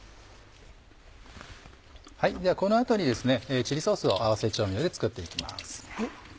この後にチリソースを合わせ調味料で作って行きます。